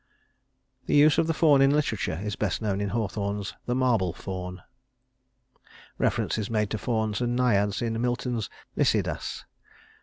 The use of the Faun in literature is best known in Hawthorne's "The Marble Faun." Reference is made to fauns and naiads in Milton's "Lycidas."